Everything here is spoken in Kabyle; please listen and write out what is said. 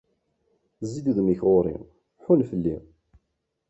Zzi-d udem-ik ɣur-i, ḥunn fell-i.